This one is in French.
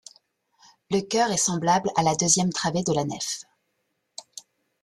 Le chœur est semblable à la deuxième travée de la nef.